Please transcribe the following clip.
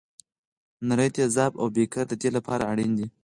نري تیزاب او بیکر د دې لپاره اړین دي.